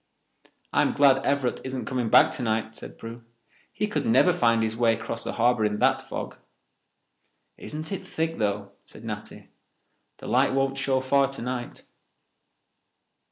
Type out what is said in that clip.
"I'm glad Everett isn't coming back tonight," said Prue. "He could never find his way cross the harbour in that fog." "Isn't it thick, though," said Natty. "The light won't show far tonight."